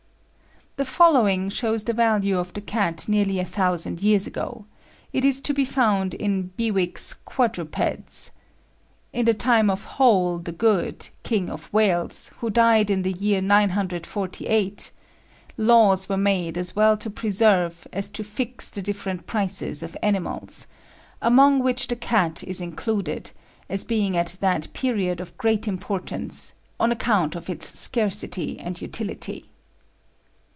The following shows the value of the cat nearly a thousand years ago; it is to be found in Bewick's "Quadrupeds": "In the time of Hoel the Good, King of Wales, who died in the year 948, laws were made as well to preserve as to fix the different prices of animals; among which the cat is included, as being at that period of great importance, on account of its scarcity and utility.